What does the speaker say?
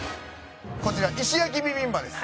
こちら石焼ビビンバです。